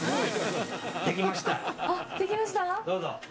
できました？